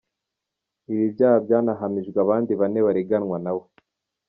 Ibi byaha byanahamijwe abandi bane bareganwa nawe.